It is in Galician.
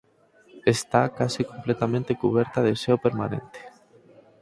Está case completamente cuberta de xeo permanente.